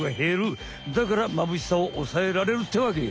だからまぶしさを抑えられるってわけ。